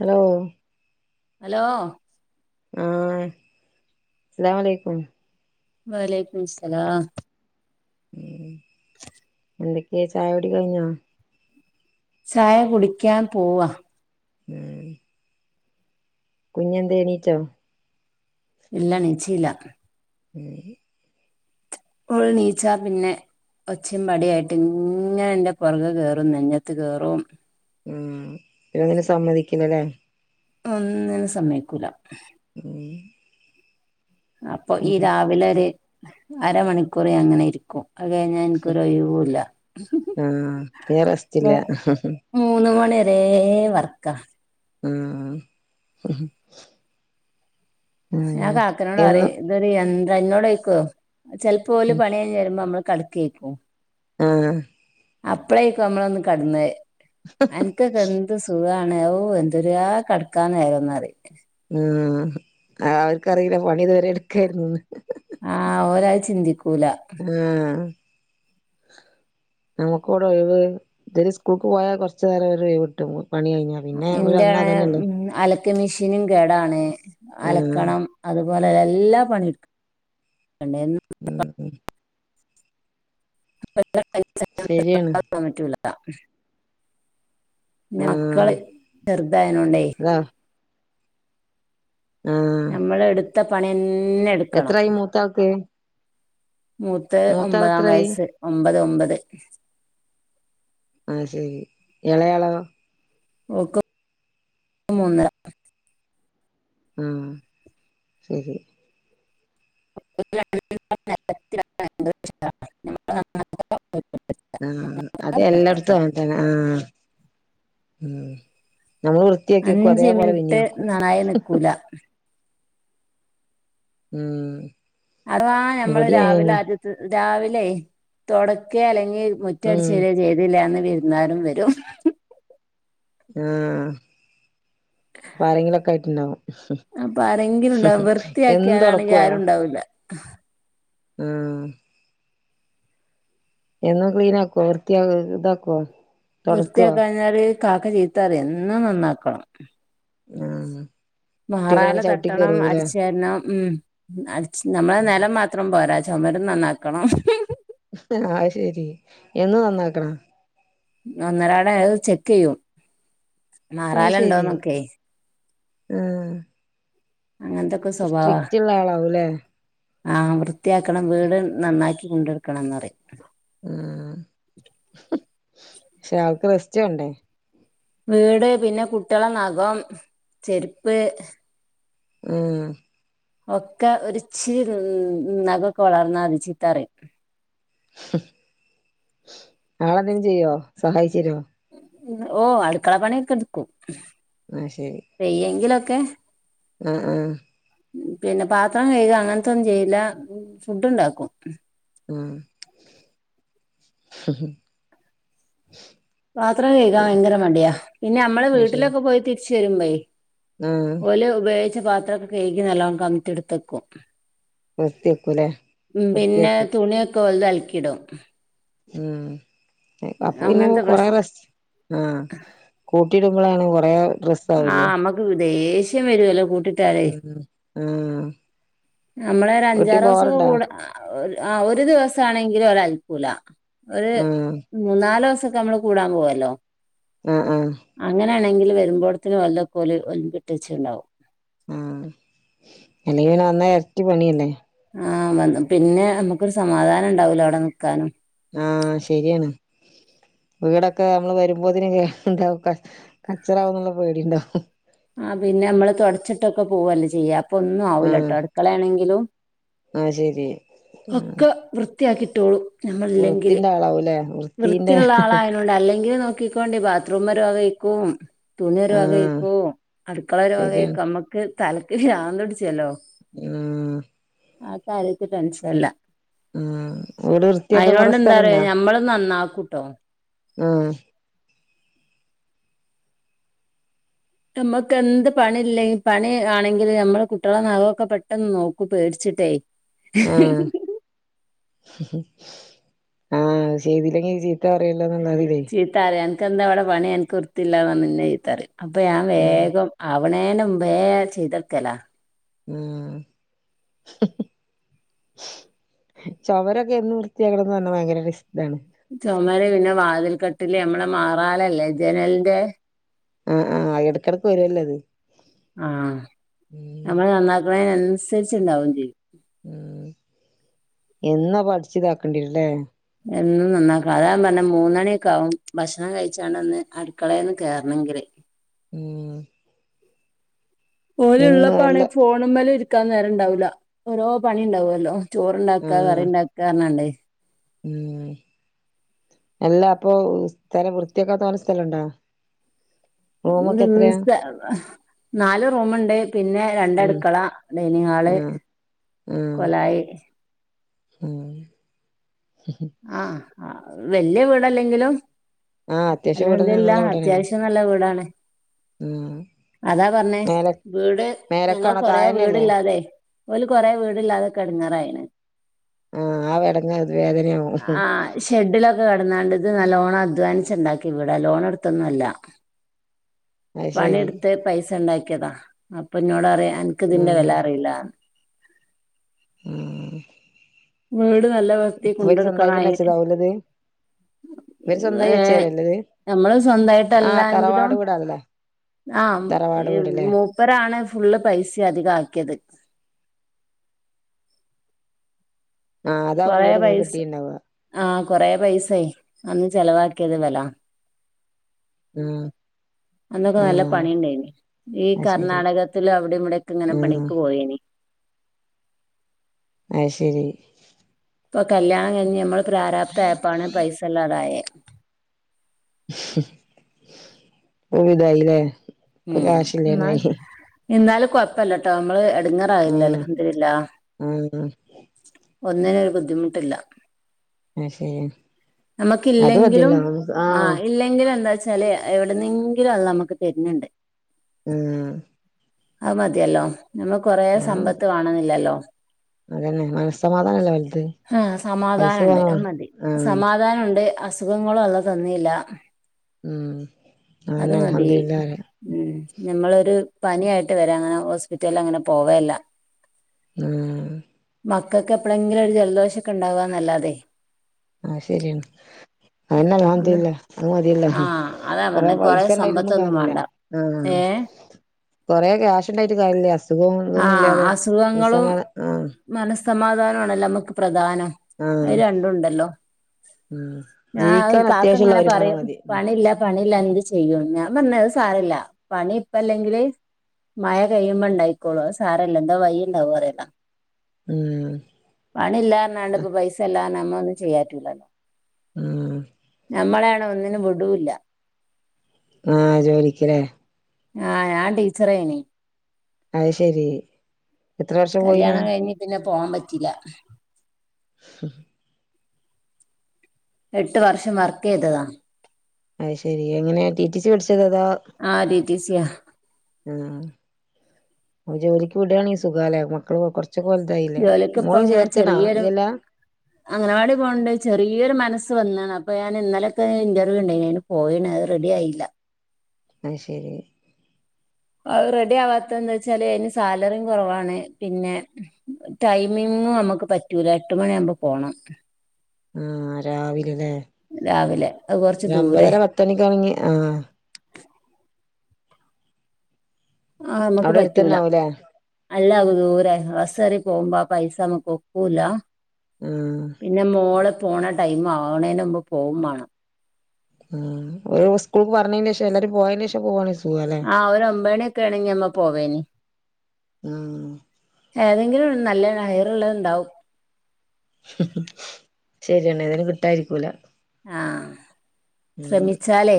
Hello. Hello. ആഹ് അസ്സലാമലയ്ക്കും. വാലയ്ക്കും മുസലാം. [inaudible] [inaudible] എന്തൊക്കെ ചായൊടി കയ്ഞ്ഞോ? ചായ കുടിക്യാൻ പോവാ. മ്മ് കുഞ്ഞന്തേണീറ്റോ? ഇല്ല ണീചീല. മ്മ്. ഓൾ നീച്ച പിന്നെ? ഒച്ചിം പടിംയായിട്ട് ഇങ്ങന്റെ പൊർകെ കേറും നെഞ്ഞത്ത് കേറും മ്മ് പിന്നൊന്നിനും സമ്മതിക്കില്ലലേ? ഒന്നിനും സമ്മയ്ക്കൂല. മ്മ് അപ്പൊ ഈ രാവിലൊര് അരമണിക്കൂർ ഞാനിങ്ങനെ ഇരിക്കും. അഹ് കൈഞ്ഞ എനിക്കൊരൊയ്‌വൂല്ല. ആഹ് പിന്നെ റെസ്റ്റില്ല മൂന്ന് മണ്യരേ വർക്ക. മ്മ്. ഞാൻ കാക്കനോട് പറിം എന്നും ഇതൊരു യന്ത്ര എന്നോടോയിക്കും ചെൽപോ ല് ഉം പണ്യയ്ഞ്ഞ് വരുമ്പോ അമ്മള് കട് ക്കേക്കും. ആഹ്. അപ്പളേയ്ക്കും നമ്മളൊന്ന് കട്ന്നെ അൻ ക്കൊക്കെ എന്ത്‌ സുഖാണ് ഓ എന്തൊര് ആ കെടക്കാന്ന് നേരംന്നറിം. മ് അ അവർക്കറിയൂല പണി ഇതുവരെ എട്‌കേയ്രുന്നന്ന്. ആഹ് ഓരത് ചിന്തിക്കൂല. ഏഹ് നമുക്കൗടെ ഒയിവ്, ഇവരിസ്കൂൾക്ക് പോയാ കൊർച്ചു നേരം ഒരു ഒയിവ് കിട്ടും, പണി കഴിഞ്ഞാൽ ഇന്റണേ മ്മ് അലക്ക് മിഷീനും കേടാണ് ആഹ് അലക്കണം അതുപോലെല്ല എല്ലാ പണിട്ക്കണം [unintelligible] ഉം [unintelligible] ശരിയാണ് ന്നെ മക്കള് ആഹ് ചെറുതായനോണ്ടേ അതാ ആഹ് നമ്മളെടുത്ത പണിയെന്നെ എടു എത്രായി മൂത്താൾക്ക്‌? മൂത്തത് ഒമ്പതാം എത്രായി വയസ്സ്, ഒമ്പത് ഒമ്പത് അഅ് ശരി. എളയാളോ? ഓക്ക് [unintelligible] ‌ മൂന്നര ഊം ശരി. [unintelligible] ഊം. അത് എല്ലട്ത്തും അങ്ങൻതന്നെ ആഹ് നമ്മള് വൃത്തിയാക്കി വെക്കും, അതേ പോലെ പിന്നിം ആക്കും. ഇല്ല ഉം അഥവാ ഞമ്മള് ഇവിടേം രാവിലെ അങ്ങനെന്നെ ആദ്യത്ത് രാവിലെ, തൊടക്കെ അല്ലെങ്കി ഉം മുറ്റട്ച്ചേരെ ചെയ്തില്ല അന്ന് വിര്ന്നാരും വെരും. ആഹ് അപ്പാരെങ്കിലൊക്കായിട്ട്ണ്ടാവും. ഹ്മ്, അപ്പൊ ആരെങ്കിലും ഉണ്ടാവും ഹ്മ് എന്നും വൃത്തിയാക്കിയാലാണെങ്കി തൊടക്കൊ? ആരും ഉണ്ടാവൂല്ല ഏഹ് എന്നും ക്ലീനാക്കോ, വൃത്തിയാ ഇതാക്കോ? വൃത്തിയാക്കാഞ്ഞാല് കാക്ക ചീത്തറിം, എന്നും നന്നാക്കണം. ആഹ് മാറാല കുട്ടികളിങ്ങനെ ചവിട്ടി തട്ടണം, കേറുവോല്ലേ അടിച്ചേര്ണം ഉം. അടിച്ച് നമ്മളെ നെലം മാത്രം പോരാ, ചൊമരും നന്നാക്കണം. ആഹ് അത്ശരി, എന്നും നന്നാക്കണാ? ഒന്നരാട അഅ് ചെക്കെയ്യും. അത് ശരി ആഹ്. അങ്ങൻത്തൊക്കെ സ്വഭാവാ സ്ട്രിക്റ്റ് ഉള്ള ആളാവൂല്ലേ ആഹ് വൃത്തിയാക്കണം, വീട് നന്നാക്കി കൊണ്ടടക്കണംന്നറിം ഉം ഹും ക്ഷേ ആൾക്ക് റസ്റ്റ് വേണ്ടേ വീട് പിന്നെ, കുട്ട്യാളെ നഖം, ചെരുപ്പ് ഏഹ് ഒക്കെ ഒരിച്ചിരി ന് നഖൊക്ക വളർന്നാതി ചീത്തറിം. ഹും ആളെന്തേലും ചെയ്യോ, സഹായിച്ചെരോ? ഓഹ് അടുക്കള പണിയൊക്കെ ഇട്ക്കും ആഹ് ശരി വെയ്യെങ്കിലൊക്കെ ആഹ് ആഹ് പിന്നെ പാത്രം കെയ്ക അങ്ങൻത്തൊന്നും ചെയ്യില്ല, ഫുഡ്ണ്ടാക്കും. ഊം [unintelligible] പാത്രം കെയ്കാൻ ഭയങ്കര മടിയാ, പിന്നെ നമ്മള് അത് ശരി വീട്ടിലൊക്കെ പോയി തിരിച്ച് വരുമ്പയ് ആഹ് ഓല് ഉപയോഗിച്ച പാത്രൊക്കെ കെയ്കി, നല്ലോം കമ്ത്തി ഇട്ത്തെക്കും. വൃത്തിയാക്കൂല്ലേ ഉം പിന്നെ വൃത്തിയാക്കി തുണിയൊക്കെ ഓൽത് അലക്കിടും. ഉം. അപ്പോ പിന്നെ അങ്ങനത്തെ കൊറേ പ്രശ്നം റസ് ആഹ്, കൂട്ടിടുമ്പളാണ് കൊറേ ഡ്രസ് ആഹ് അമ്മക്ക് ദേഷ്യം വരുവല്ലോ കൂട്ടിട്ട് ഉം ഹ്മ് നമ്മളൊരഞ്ചാറോസൊക്ക കൂട അ ഒര് ആഹ് ഒരു ദിവസാണെങ്കിലോരലക്കൂല ഒരു ആഹ് മൂന്നാലോസൊക്കെ നമ്മള് കൂടാൻ പോവല്ലോ. ആഹ് ആഹ് അങ്ങനെയാണെങ്കില്, വരുമ്പോഴത്തിനും ഓൽതൊക്കോ ല് ഒലമ്പിട്ട് വെച്ചിണ്ടാവും ആഹ് അല്ലെങ്കി പിന്നെ വന്നാ എരട്ടി പണിയല്ലേ ആഹ് വന്ന പിന്നെ അമ്മക്കൊരു സമാധാനണ്ടാവൂല അവടെ നിക്കാനും ആഹ് ശരിയാണ്. വീടൊക്കെ നമ്മള് വരുമ്പോത്തിന് ഇണ്ടാവും കച്ച് കച്ചറാവൂന്ന്ള്ള പേടി ഇണ്ടാവും ആഹ് പിന്നെ അമ്മള് തൊടച്ചിട്ടൊക്കെ പൂവല്ലേ ചെയ്യ അപ്പൊന്നും ആഹ് ആവൂലട്ടോ അടുക്കളേണെങ്കിലും. ആഹ് ശരി ആഹ് ഒക്ക വൃത്തിയാക്കിട്ടോളും ഞമ്മളില്ലെങ്കില് വൃത്തിന്റെ ആളാവൂലേ വൃത്തിന്റെ വൃത്തിള്ള ആളായ നോണ്ട് അല്ലെങ്കില് നോക്കിക്കോണ്ടി ബാത്ത്റൂമൊരു വകേയിക്കും തുണിയൊരു ആഹ് വകേയിക്കും അടുക്കളൊരു ശരിയാണ് വകേയിക്കും അമ്മക്ക് തലക്ക് പിരാന്ത് പിടിച്ച്യല്ലോ. ഉം അത് ലോചിച്ച് ടെൻഷൻലാ ആഹ് വീട് വൃത്തിയാക്കാൻ കൊറെ അതിനൊണ്ട് എന്താറിയോ സ്ഥലണ്ടാ ഞമ്മള് നന്നാക്കൂട്ടോ ആഹ് ന്റ്മ്മക്ന്ത് പണില്ലെ പണി ആണെങ്കില് നമ്മള് കുട്ടികളെ നഖകേ പെട്ടെന്ന് നോക്കും പേടിച്ചിട്ടേ ആഹ് ആഹ് ചെയ്തില്ലെങ്കി ചീത്ത [unintelligible] റയും അനക്ക് എന്താ ഇമ്പടെ പണി അനക്ക് വൃത്തിയില്ലാന്നറഞ്ഞ് ഇന്നെ ചീത്തറയും അപ്പ ഞാൻ ആഹ് വേഗം ആവണേൻ്റ മുമ്പേ ബേം ചെയ്ത് വെക്കല ഉം ചൊവരൊക്കെ എന്നും വൃത്തിയാക്കണന്ന് പറഞ്ഞാ ഭയങ്കര റിസ്താണ് ച്ചോമര് പിന്നെ വാതിൽ കട്ടില് നമ്മളെ മാറാലല്ലേ ജനലിന്റെ ആഹ് ആഹ് എടക്ക്ടക്ക് വരുല്ലോ അത് ആഹ് ഉം നമ്മള് നന്നാക്ണിന് തിനനുസരിച്ച്ണ്ടാവും ചെയ്യും മം എന്നുപ്പോ അടിച്ച് താക്കേണ്ടിരല്ലേ എന്നും നന്നാക്കണം അതാ ഞാപറഞ്ഞെ മൂന്നണിയൊക്കെകാകും ഭക്ഷണം കഴിച്ചാണ്ന്ന് അടുക്കളന്ന് കേയറണെങ്കില് ഉം ഓല് എന്ന് ഉള്ളപ്പാണെ നല്ല ഫോണു മേല് ഇരിക്കാ നേരം ഉണ്ടാവുല്ല ഓരോ പണി ഉണ്ടാവോല്ലോ ചോറ്ണ്ടാക്ക ആഹ് കറിണ്ടാക്കാ പറന്നാണ്ട് ഉം അല്ല അപ്പൊ, സ്ഥലം വൃത്തിക്കാൻ തോന സ്ഥലണ്ടോ [unintelligible] നാല് റൂമുണ്ട് പിന്നെ ഉം രണ്ടടുക്കള ഡൈനിങ് ഹാള് ആഹ് കൊലായി ഉം ആഹ് വല്യ വീടല്ലെങ്കിലും ആഹ് അത്യാവശ്യം വീടന്നെ അൽഹംദുലില്ല നല്ല വീടന്നെയാണ് അത്യാവശ്യം നല്ല വീടാണ് ആഹ് അതാ പറഞ്ഞേ മേലെ വീട് ഞങ്ങൾ മേലക്കാണോ കൊറേ താഴെന്നെല്ലേ വീടില്ലാതെ, ഓല് കൊറെ വീടില്ലാതെക്കേ എ ടങ്ങാറായിന് ആഹ് എടങ്ങാ അത് വേദനയാവും ആഹ് ശ് ഷെഡിലൊക്കെ കടന്നാണ്ടത് നല്ലോണം അഡ്വനിച് ഉണ്ടാക്ക്യ വീടാ ലോൺ എടുത്തൊന്നുല്ല അത് ശരി പണിടുത്ത് പൈസ ഉണ്ടാക്കിയതാ അപ്പൊ ഇനോട്റിം അനക്കിതിന്റെ ആഹ് വില അറിയില്ല മ്മം വീട് നല്ല വൃതിക് കൊണ്ട് സ്വന്തായിട്ടന്നെ ടക്കണായിന് വെച്ചതാവൂലത് ഇവര് സ്വന്തായി ഏ വെച്ചേരല്ലത് നമ്മള് സ്വന്തയിട്ടല്ല ആഹ് എങ്കിലും തറവാട് വീടാണല്ലേ തറവാട് വീടല്ലേ ആംമുപ്പരാണ് ഫുള്ള് പൈസ അധികമാക്കിയത് ആഹ് അതാവും കൊറെ വീട് ഇങ്ങക്ക് പൈസ കിട്ടിണ്ടാവ ആഹ് കൊറേ പൈസായി അന്ന് ചെലവാക്കിയത് ഇവലാ മം അന്നൊക്കെ നല്ല പണി ഉണ്ടായിന് ഈ അത് ശരി കർണ്ണാടകത്തില് അവിടെ ഇവിടൊക്കെ ഇങ്ങനെ ആഹ് പണിക്ക് പോയേനി അയ്ശരി ഇപ്പൊ കല്യാണം കഴിഞ്ഞ് നമ്മള് പ്രാരാപ്ത ആയിപ്പാണ് പൈസില്ലാതായേ [unintelligible] വിതായില്ലേ ഉം ഇപ്പകാശില്ലാതായി എന്നാലും കൊഴപ്പല്ലട്ടോ നമ്മള് എടങ്ങേറായല്ലല്ലോ ആഹ് അൽഹംദുരില്ല ആഹ് ഒന്നിനും ഒരു ബുദ്ധിമുട്ടില്ല അത് ശരി നമുക്ക് അത് ഇല്ലെങ്കിലും മതിയല്ലോ നമുക്ക് ആ ആഹ് ഇല്ലെ ഇല്ലെങ്കിലുംഎന്താ വെച്ചാല് എവിടുന്നെങ്കിലും അള്ളാ നമുക്ക് തരുന്നുണ്ട് ഉം അത് മതിയല്ലോ നമ്മ കൊറേ അത് മതി സമ്പത്ത് വാണന്നില്ലല്ലോ അതന്നെ മനസ്സമാധാനല്ലേ വലുത് ആഹ് പൈസ സമാധാനണ്ട് പോവാ അത് മതി ആഹ് സമാധാനണ്ട് അസ് അസുഖങ്ങള് അള്ള തന്നില്ല ഉം അത് അതന്നെ മതി അൽഹംദുലില്ല പറയ ഉം നമ്മളൊരു പനിയായിട്ട് വരാ അങ്ങനെ ഹോസ്പിറ്റലിൽ അങ്ങനെ പോവല്ല ഉം മക്കക്ക് എപ്പോളെങ്കിലും ഒരു ജലദോഷ ഒക്കെ ഉണ്ടാവാന്നല്ലാതെ ആഹ് ശരിയാണ് അതന്ന അങ്ങനെ അൽഹംദില്ല അത് മതിയല്ല ആ അതാ കൊറെ പറഞ്ഞെ കൊറേ പൈസ ഉണ്ടായിട്ടൊന്നും സമ്പത്തൊന്നും കാര്യല വേണ്ട ആഹ് ഏ കൊറെ ക്യാഷ് ഉണ്ടായിട്ട് കാര്യല ആഹ് അസുഖങ്ങളും ആഹ് മനസ്സമാധാനമാണല്ലോ നമുക്ക് പ്രധാനം അത് ആഹ് രണ്ടും ഉണ്ടല്ലോ ഉം ഞാൻ ജീവിക്കാൻ കാക്ക അത്യാവശ്യള്ള ഇങ്ങനെ വരുമാനം പറയും മതി പണില്ല പണി ഇല്ല എന്ത് ചെയ്യും ഞാൻ പറഞ്ഞത് സാറില്ല പണി ഇപ്പ അല്ലെങ്കില് മഴ കഴിയുമ്പോ ഉണ്ടായിക്കോളു സാരല്ലാ എന്താ വയ്യ ഉണ്ടാവും [unintelligible] ഉം പണില്ലല്ലാരാണ്ട് ഇപ്പ പൈസ ഇല്ലാര നമ്മ ഒന്നും ചെയ്യാറ്റില്ലല്ലോ ഉം നമ്മളെയാണെ ഒന്നിനും വിടൂല്ല ആഹ് ജോലിക്ക ല്ലേ ആഹ് ഞാൻ ടീച്ചറയിനി അത് ശരി എത്ര വർഷം പോയിന് കല്യാണം കഴിഞ്ഞ് പിന്നെ പോവാൻ പറ്റില്ല [inaudible] എട്ട് വർഷം വർക്ക് ചെയ്തതാണ് അത് ശെരി എങ്ങനെ ടി ടി സി പഠിച്ചത് അതോ ആഹ് ടി. ടി. സിയാ ആ ജോലിക്ക് വിടാ ലെ സുഖാലെ മക്കള്റ കൊർച്ചോക്കെ വലയതായി ല്ലേ ജോലിക്ക് മോള് ചേർത്തേക്കണോ ഇല്ലല്ലോ അങ്ങനവാടി പോണ്ട് ചെറിയൊരു മനസ്സ് വന്നാണ് അപ്പോ ഞൻ ഇന്നലൊക്കെ ഇന്റർവ്യൂ ഉണ്ടന് പോയിണ് അത് റെഡി ആയില്ല ആത് ശരി അ റെഡി ആവാത്ത എന്താ വച്ചാല് അതിന് സാലറിയും കുറവാണ് പിന്നെ ടൈമിംങ്ങും നമ്മുക്ക് പറ്റൂല എട്ട് മണിയാവകുമ്പോ പോകണം ആ രാവിലെ അല്ലെ രാവിലെ അത് കുറച്ച് ഒരു ദൂരെ അമ്പതര പത്ത് മണിക്കാണങ്കില് ആഹ് ആഹ്‌ നമ്മുക്ക് അവിടെ പറ്റൂല അടുത്തന്നെ ആവൂലേ അല്ല അങ്ങ് ദൂരെ ബസ് കേറി പോകുമ്പാ പൈസ മക്ക് ഒക്കൂല ഉം പിന്നെ മോള് പോണ ടൈം ആണേന് മ്പ് പോവും മാണം. ആ ഒരു സ്കൂൾക്ക് പറഞ്ഞന്റെ ഷം എല്ലാരും പോയേന്റെഷം പോവാണേ സുഖല്ലേ. ആ ഒരൊമ്പണിക്കേണെങ്കി നമ്മ പോവേയ്ന്. ആഹ് ഏതെങ്കിലും നല്ല ഹയർ ഉള്ളത് ഉണ്ടാവും. ഹും ഹും ശരിയാണ് ഏതേലും കിട്ടായിരിക്കൂല. ആഹ് ഉം ശ്രമിച്ചാലേ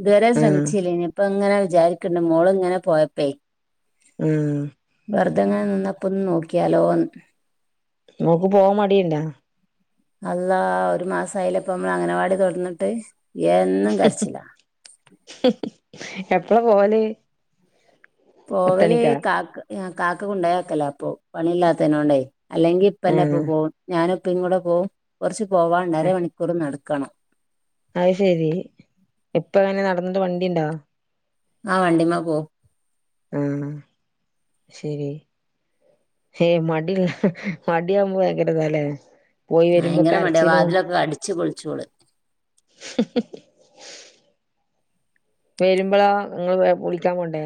ഇതുവരെ ആഹ് ശ്രമിച്ചില്ലേനു. ഇപ്പങ്ങനെ വിചാരിക്കണ്ട് മോള്ങ്ങനെ പോയപ്പെയ്. ഉം വെർതങ്ങനെ നിന്നപ്പ ഒന്ന് നോക്കിയാലോന്ന്. മോക്ക് പോവാൻ മടിയുണ്ടാ? അള്ളാ ഒരു മാസായ്ലെ ഇപ്പമ്മള് അങ്ങനവാടി തൊർന്നിട്ട് എന്നും ഹും ഹും കരച്ചിലാ ഹും ഹും എപ്പളാ പോല്? പോവല് കാക്ക് കാക്ക കൊ ണ്ടായാക്കലപ്പൊ പണിയില്ലാത്തേനൊണ്ട് അല്ലെങ്കി ഇപ്പന്റെപ്പ ആഹ് പോവും ഞാനും ഉപ്പിൻകൂടെ പോവും കുറച്ച് പോവാണ്ട് അര മണിക്കൂർ നടക്കണം. അത് ശരി ഇപ്പങ്ങനെ നടന്നിട്ട് വണ്ടിണ്ടോ? ആ വണ്ടിമ്മ പോ ഉം ശരി ഏയ് മടില്ല മടിആവുമ്പോ ഭയങ്കര താല്ലേ. ഭയങ്കര മടിയ വാതിലൊക്കെ അടിച്ച് പൊൾച്ചോള്. ഹും ഹും ഹും വരുമ്പളോ ങ്ങള് വെ വിളിക്കാൻ പോണ്ടേ?